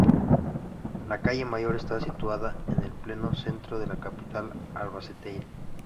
La calle Mayor está situada en pleno Centro de la capital albaceteña.